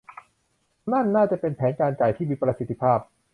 นั่นน่าจะเป็นแผนการจ่ายที่มีประสิทธิภาพ